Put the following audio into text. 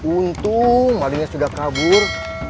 untung malingnya sudah kabur